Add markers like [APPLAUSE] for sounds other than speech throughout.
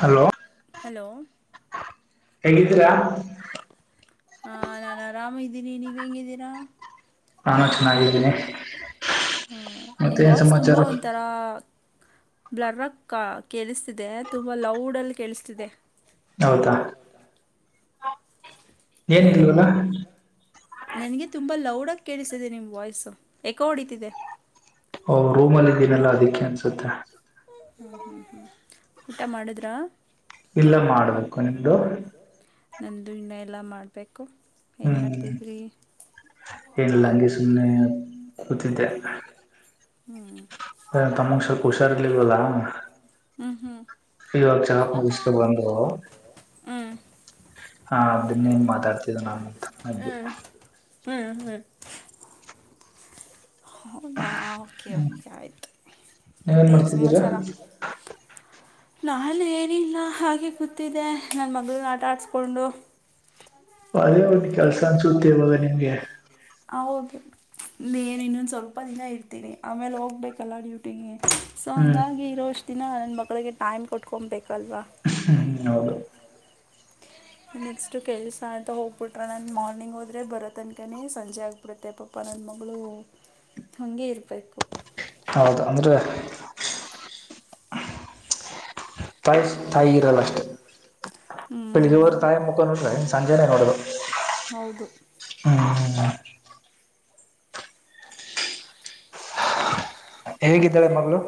Hello hello. [INAUDIBLE] ಹೆೇಗಿದ್ದೀರಾ. [INAUDIBLE] ಹಾ ನಾನ್ ಆರಾಮ ಇದೀನಿ ನೀವ್ ಹೆಂಗಿದ್ದೀರಾ. ನಾನು ಚೆನ್ನಾಗಿದ್ದೀನಿ [INAUDIBLE] ಹ್ಮ ನಿಮ್ಮ ಮತ್ತೆ ಏನ್ ವಾಯ್ಸ್ ತುಂಬಾ ಸಮಾಚಾರ ಒಂತರಾ. [INAUDIBLE] ಬ್ಲರಕ್ಕ ಕೇಳಿಸ್ತಿದೆ ತುಂಬ ಲೌಡಲ್ಲಿ ಕೇಳಿಸ್ತಿದೆ. ಹೌದಾ. [INAUDIBLE] ಏನಿಲ್ವಲ್ಲ [INAUDIBLE] ನನಗೆ ತುಂಬಾ ಲೌಡಾಗಿ ಕೇಳಿಸತ್ತಿದೆ ನಿಮ್ಮ ವಾಯ್ಸು ಏಕ್ ಹೊಡಿತಿದೆ. ಓ ರೂಮಲ್ಲಿ ಇದೀನೆಲ್ಲ ಅದಕ್ಕೆ ಅನಿಸುತ್ತೆ. [INAUDIBLE] [INAUDIBLE] ಊಟ ಮಾಡಿದರಾ. ಇಲ್ಲಾ ಮಾಡಬೇಕು ನಿಮ್ಮದು. [INAUDIBLE] ನಂದು ಇನ್ನ ಇಲ್ಲ ಮಾಡಬೇಕು. [INAUDIBLE] ಹ್ಮ್ ಮಾಡ್ತಾಯಿದ್ರಿ ಏನ್ ಇಲ್ಲ ಹಂಗೆ ಸುಮ್ನೆ ಕೂತಿದ್ದೆ. [UNINTELLIGIBLE] [INAUDIBLE] ಹ ತಮಗ ಸ್ವಲ್ಪ ಹುಷಾರ ಇರ್ಲಿಲ್ಲ ಅಲ್ವಾ. [INAUDIBLE] ಹ್ಞೂ ಹ್ಞೂ ಹ ಈವಾಗ ಜಾಬ್ ಮುಗಿಸಿಕೊಂಡು ಬಂದರು. ಹಾ ಅದನ್ನೇ ಮಾತಾಡತ್ತಿದ್ದ ನಾನು ಹ್ಞೂ ಅಂದು. [INAUDIBLE] ಹ್ಞೂ [INAUDIBLE] ಹೌದಾ. [INAUDIBLE] [INAUDIBLE] ಹ್ಮ್, ಕೆಲಸಾ ಆಯ್ತ ನೀವೇನ್ ಮತ್ತೆ ಏನ್ ಮಾಡ್ತಿದ್ದೀರಾ ಸಮಾಚಾರ. [INAUDIBLE] ನಾನು ಏನಿಲ್ಲ ಹಾಗೆ ಕುತ್ತಿದ್ದೆ ನನ್ನ ಮಗಳನ್ನ ಆಟ ಆಡಿಸಕೊಂಡು. [INAUDIBLE] [INAUDIBLE] ಒಳ್ಳೇ ಒಂದ್ ಕೆಲಸಾ ಅನ್ಸುತ್ತೆ ಇವಾಗ ನಿಮ್ಗೆ. ಹೌದು. [INAUDIBLE] [INAUDIBLE] ಇಲ್ಲೇ ಏನ್ ಇನ್ನೊಂದು ಸ್ವಲ್ಪ ದಿನ ಇರ್ತೀನಿ ಆಮೇಲೆ ಹೋಗಬೇಕಲ್ಲ ಡ್ಯೂಟಿಗೆ. [INAUDIBLE] ಸೊ ಹಂಗ ಹ್ಮ್ ಆಗಿ ಇರೋ ಅಷ್ಟ ದಿನಾ ನನ್ನ ಮಗಳಿಗೆ ಟೈಮ್ ಕೊಟ್ಟಕಮ ಬೇಕಲ್ವಾ. [INAUDIBLE] [INAUDIBLE] ಹೌದು. [INAUDIBLE] ನೆಕ್ಸ್ಟು ಕೆಲಸ ಅಂತ ಹೋಗಬಿಟ್ರೆ ನಾನ್ ಮಾರ್ನಿಂಗ್ ಹೋದ್ರೆ ಬರೋ ತನಕ್ಕನೇ ಸಂಜೆ ಆಗ [INAUDIBLE] ಪ್ರತೆೆ ಪಪ್ಪ ನನ್ನ ಮಗಳು ಹಂಗೆ ಇರಬೇಕು. ಹೌದ ಅಂದರ್. [INAUDIBLE] [INAUDIBLE] ತಾಯ ತಾಯಿ ಇರಲ್ಲ ಅಸ್ಟೇ. ಹ್ಞೂ [INAUDIBLE] ಬೆಳ್ಳಿಗೆ ಅವರ ತಾಯಿ ಮುಖ ನೋಡಿದರೇ ಸಂಜೆನೇ ನೋಡು ಬೇಕು [INAUDIBLE] ಹ್ಮ್. [INAUDIBLE] ಹೇಗಿದ್ದಾಳೆ ಮಗಳು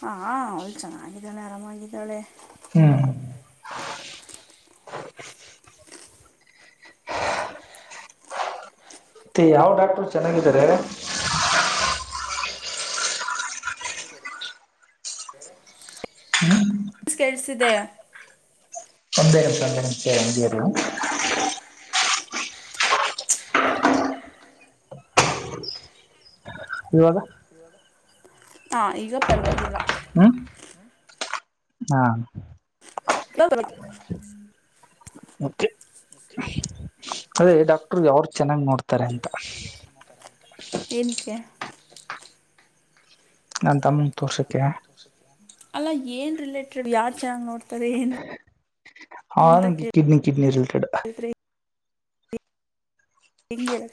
ಹಾ ಅವಳು ಚೆನ್ನಾಗಿದ್ದಾಳೆ ಆರಾಮಾಗಿದ್ದಾಳೆ ಹ್ಮ್ ಹ್ಮ ಮತ್ತೆ ಯಾವ್ ಡಾಕ್ಟರ್ ಚೆನ್ನಾಗಿದಿದ್ದಾರೆ ಹ ಹ್ಮ್ ಕಳ್ಸಿದೆ ಒಂದೇರ ಸಂದ ನಿಮಷ ಎಂದ ಇವಾಗ ಇ ಹಾಂ ಈಗ ಪರವಾಗಿಲ್ಲ ಹ್ಮ್ ಹಾ ಹೋಗರ ಮತ್ತೆ ಅದೇ ಡಾಕ್ಟರು ಯಾವ್ ಚೆನ್ನಾಗ್ ನೋಡ್ತಾರೆ ಅಂತ ಎಏನಕ್ಕೆ ನಾನ್ ತಮ್ಮ ತೋರ್ಸಕ್ಕೆ ಅಲ್ಲ ಏನ್ ರಿಲೇಟೆಡ್ ಯಾರ್ ಚೆನ್ನಾಗಿ ನೋಡ್ತಾರೆ ಏನು ಹ ಅಂತ ಕಿಡ್ನಿ ಕಿಡ್ನಿ ರಿಲೇಟೆಡ್ ಕೇಳಿದ್ರೆ ಹಗೆಲ್ಲಕ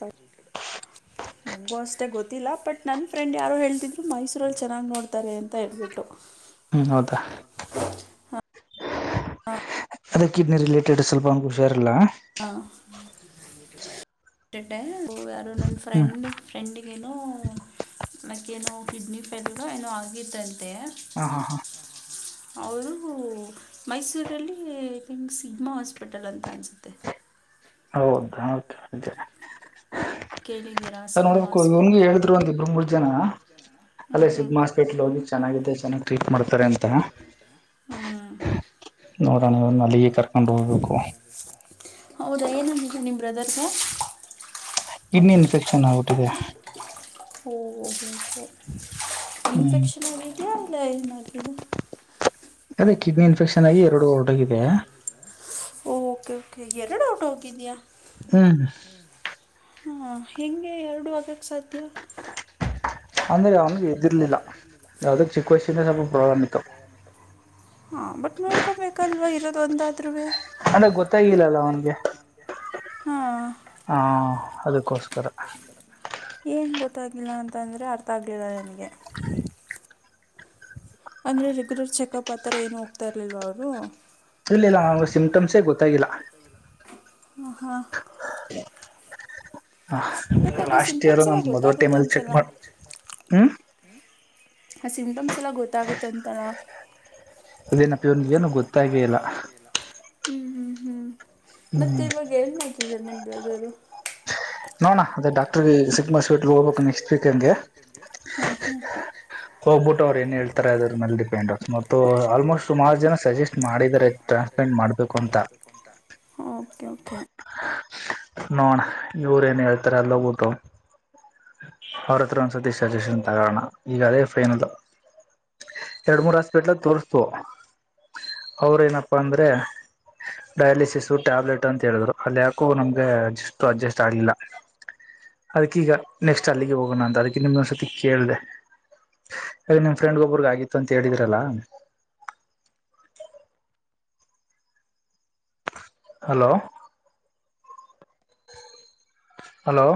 ನನಗೂ ಅಷ್ಟೇ ಗೊತ್ತಿಲ್ಲ ಬಟ್ ನನ್ನ ಫ್ರೆಂಡ್ ಯಾರು ಹೇಳ್ತಿದ್ರು ಮೈಸೂರಲ್ಲಿ ಚೆನ್ನಾಗಿ ನೋಡ್ತಾರೆ ಅಂತ ಹೇಳ್ಬಿಟ್ಟು ಹ್ಮ್ ಹೌದಾ ಅದೇ ಕಿಡ್ನಿ ರಿಲೇಟೆಡ್ ಸ್ವಲ್ಪ ಒಂದ್ಖುಷಾರ ಇಲ್ಲ ಹಾ ಯಾರು ನನ್ನ ಹ್ಮ್ ಫ್ರೆಂಡ್ ಫ್ರೆಂಡಗೇನು ನೈಕ್ ಏನು ಕಿಡ್ನಿ ಫೈಲ್ಗ ಏನೋ ಆಗಿತ್ತಂತೆ ಹಾ ಹಾ ಹಾ ಅವರು ಮೈಸೂರಲ್ಲಿ ನಿಮ್ಗೆ ಸಿಗಮಾ ಹಾಸ್ಪಿಟಲ್ ಅಂತ ಅನಿಸುತ್ತೆ ಹೌದಾ ಓಕೆ ಓಕೆ. ಕೇಳಿದ್ದೀರಾ ನೋಡ್ಬೇಕು ಇವನ್ಗೆ ಸಿಗ್ಹಾಸ್ಪೆಟಲ್ ಹೇಳಿದ್ರು ಒಂದ್ ಇಬ್ರು ಮೂರ್ ಜನ ಹ ಅಲ್ಲೇ ಹ್ ಸಿಗ್ಮಾ ಹಾಸ್ಪಿಟ್ಲ್ ಹೋಗಿ ಚೆನ್ನಾಗಿದೆ ಚ ಚೆನ್ನಾಗ್ ಟ್ರೀಟ್ ಮಾಡ್ತಾರೆ ಅಂತ ಮಾಡತಂತ ಹ್ಮ ನೋಡೋಣವನ್ನ ಅಲ್ಲಿಗೆ ಕರ್ಕೊಂಡು ಹೋಗ್ಬೇಕು ಹೌದಾ ಏನು ನಿಮ್ಮ ಬ್ರದರ್ಸ ಕಿಡ್ನಿ ಇನ್ಫೆಕ್ಷನ್ ಆಗ್ಬಿಟ್ಟಿದೆ ಓ ಹ್ಮ್ ಇನ್ಫೆಕ್ಷನ್ ಆಗಿದ ಅಲ್ಲ ಏನದು ಅದೇ ಕಿಡ್ನಿ ಇನ್ಫೆಕ್ಷನ್ ಆಗಿ ಎರಡು ಹೊರ್ಡಿದೆ ಓಕೆ ಓಕೆ ಯನಡ ಆಟ್ ಹೋಗಯ ಹ್ಮ ಹಾ ಹೇಂಗೆ ಎರಡು ಆಗಕ್ ಸಾಧ್ಯ ಅಂದ್ರೆ ಅವನಿಗೆ ಅಂದ್ರೆ ಇದಿರ್ಲಿಲ್ಲ ಅವ ಎ್ದಿರ್ಲಿಲ್ಲ ಯಾವ್ದಕ್ ಚಿಕ್ಕ ಅ ವಯಸ್ಸಿಂದ ಚಿಕ್ಕ ಸ್ವಲ್ಪ ಚಿಕ್ಕ ಪ್ರಾಬ್ಲಮ್ ಇತ್ತು ಪ್ರಯಾಣ ಹಾಂ ಬಟ್ ನೋಡ್ಕೊಬೇಕಲ್ವ ಇರೋದೊಂದಾದ್ರ ಅಂದ್ರೆ ಗೊತ್ತಾಗಿಲ್ಲಲ್ಲ ಅವನ್ಗೆ ಹಾ ಹ ಅದಕ್ಕೋಸ್ಕರ ಏನು ಗೊತ್ತಾಗಿಲ್ಲ ಅಂತಂದರೆ ಅರ್ಥ ಆಗ್ಲಿಲ್ಲ ನನಗೆ ಅಂದರೆ ರೆಗ್ಯುಲರ್ ಚೆಕಪ್ ಆ ಥರ ಏನನು ಹೋಗ್ತಾ ಇರಲಿಲ್ಲವ ಅವರು ಇಲ್ಲ ಇಲ್ಲ ಅವ ಸಿಮ್ಸೇ ಗೊತ್ತಾಗಿಲ್ಲ ಆ ಹಾ ಬಟ್ ಅದು ಲಾಸ್ಟ್ ಇಯರ್ ಸಿಂಮ್ಸ್ ಎಲ್ಲ ನಮ್ ಮೊದಲ ಟೈಮ್ ಅಲ್ಲಿ ಚೆಕ್ ಗೊತ್ತಾಗುತ್ತೆನ್ಸಲ ಮಾಡ ಹ್ಮ್ ಆ ಸಿಂಮ್ಸ್ ಎಲ್ಲ ಗೊತ್ತಾಗುತ್ತೆ ಅಂತರ ಅದ್ನ್ ಪಿ ನೀ ಏನು ಗೊತ್ತಾಗೇ ಇಲ್ಲ ಹ್ಮ್ ಹ್ಮ್ ಹ್ಮ್ ಮತ್ತೆ ಹ್ಮ್ ಇವಾಗ ಏನ್ ಮಾಡ್ತಿದರು ನಿಬ್ರದರು ನೋಣ ಅದೇ ಡಾಕ್ಟರ್ ಸಿ ಹ್ಮ್ ಹೋಗ್ಬಿಟ್ಟು ಅವ್ರು ಏನ್ ಹೇಳ್ತಾರೆ ಅದ್ರ ಮೇ ಡಿಪೆಂಡ್ ಆ ಮತ್ತು ಆಲ್ಮೋಸ್ಟ್ ಸುಮಾರು ಜನ ಸಜೆಸ್ಟ್ ಮಾಡಿದಿದ್ದಾರೆ [INAUDIBLE] ನೋಣ ಇವ್ರ ಏನ್ ಹೇಳ್ತಾರ ಅಲ್ಲ ಊಟು ಅವ್ರ ಹತ್ರ ಒಂದ್ ಸಜಷನ್ಂತಗೋಣ ಈಗ ಅದೇ ಫೈನಲ್ ಎರಡ್್ಮ ಮೂರ್ ಹಾಸ್ಪಿಟ್ಲ ತೋಸ್ತು ಅವ್ರ ಏನಪ್ಪಾ ಅಂದ್ರೆ ಡಯಾಲಿಸ್ ಟ್ಯಾಬ್ಲೆಟ್ ಅಂತ ಹೇಳಿದ್ರು ಅಲ್ಲಿ ಯಾಕು ನಮ್ಗೆ ಅಸ್ಟ್ ಅಡ್ಜಸ್ಟ್ ಆಡ್ಲಿಲ್ಲ ಅದಕ್ಕೀಗ ನೆಕ್ಸ್ಟ್ ಅಲ್ಲಿಗೆ ಹೋಗೋಣ ಅಂತ ಅದಕ್ಕೆ ನಿಮ್ದೊಂದ್ಸತಿ ಕೇಳಿದೆ ಹಾಗ ನಿಮ್ ಫ್ರೆಂಡ್ ಒಬ್ರಗ ಆಗಿತ್ತು ಅಂತ ಹೇಳಿದ್ರಲ್ಲಾ ಹಲೋ ಹಲೋ